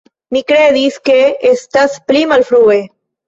Mi kredis, ke estas pli malfrue.